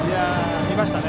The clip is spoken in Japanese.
見ましたね。